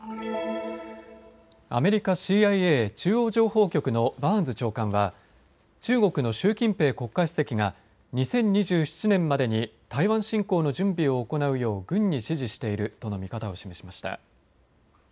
アメリカＣＩＡ・中央情報局のバーンズ長官は中国の習近平国家主席が２０２７年までに台湾侵攻の準備を行うよう軍に指示しているとの見方を示しました。